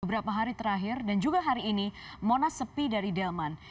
beberapa hari terakhir dan juga hari ini monas sepi dari delman